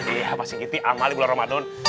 iya pak sergiti aman bulan ramadan